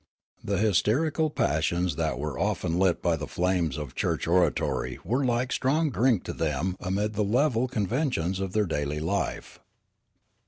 The hysterical passions that were often lit by the flame of church oratory were like strong drink to them amid the level conventions of their daily life.